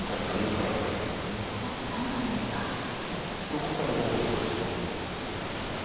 どこかで５五歩と突こうということで。